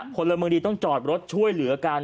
พลเมืองดีต้องจอดรถช่วยเหลือกัน